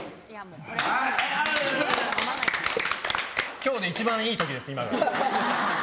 きょうで一番いいときです、今が。